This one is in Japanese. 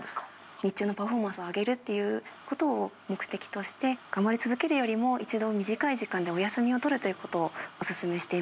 日中のパフォーマンスを上げるということを目的として、頑張り続けるよりも一度短い時間でお休みを取るということをお勧